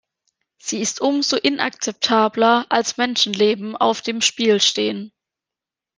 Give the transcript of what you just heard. Sie ist um so inakzeptabler, als Menschenleben auf dem Spiel stehen!